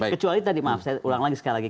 kecuali tadi maaf saya ulang lagi sekali lagi